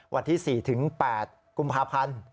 วันที่๔๘กุมภาพันธ์